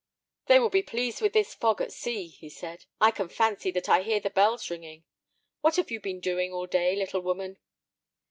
"They will be pleased with this fog at sea," he said. "I can fancy that I hear the bells ringing. What have you been doing all day, little woman?"